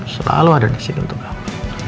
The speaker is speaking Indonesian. selalu ada disini untuk kamu